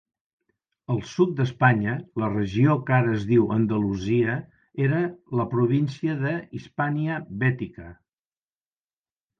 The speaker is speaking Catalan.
El sud d'Espanya, la regió que ara es diu Andalusia, era la província de "Hispania Baetica".